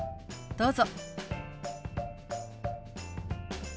どうぞ。